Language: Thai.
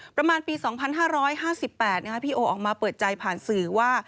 ประมาณปี๒๕๕๘พี่โอออกมาเปิดใจผ่านสื่อว่า